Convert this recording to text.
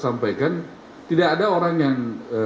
sampaikan tidak ada orang yang